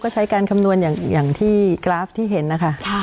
ก็ใช้การคำนวณอย่างที่กราฟที่เห็นนะคะ